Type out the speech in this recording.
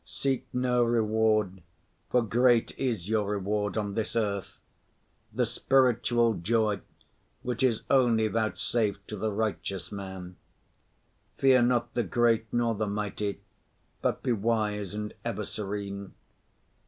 Seek no reward, for great is your reward on this earth: the spiritual joy which is only vouchsafed to the righteous man. Fear not the great nor the mighty, but be wise and ever serene.